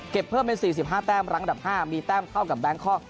เก็บเพิ่มเป็นสี่สิบห้าแต้มหลังอันดับห้ามีแต้มเข้ากับแบงค์คอร์